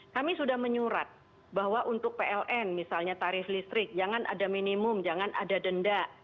kami sudah menyurat bahwa untuk pln misalnya tarif listrik jangan ada minimum jangan ada denda